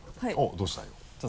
どうした？